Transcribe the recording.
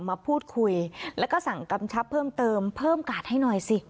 มาพูดคุยแล้วก็สั่งกำชับเพิ่มเติมเพิ่มกาดให้หน่อยสิ